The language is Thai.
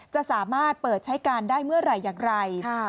จะสามารถเปิดใช้การได้เมื่อไหร่อย่างไร